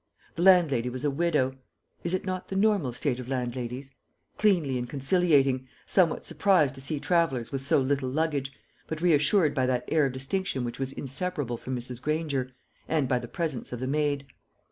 The landlady was a widow is it not the normal state of landladies? cleanly and conciliating, somewhat surprised to see travellers with so little luggage, but reassured by that air of distinction which was inseparable from Mrs. Granger, and by the presence of the maid.